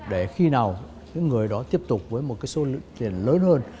để khi nào những người đó tiếp tục với một số lượng tiền lớn hơn